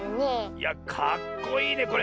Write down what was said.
いやかっこいいねこれ。